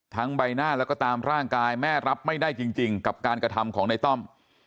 ใบหน้าแล้วก็ตามร่างกายแม่รับไม่ได้จริงกับการกระทำของในต้อม